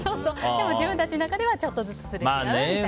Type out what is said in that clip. でも自分たちの中ではちょっとずつすれ違うみたいな。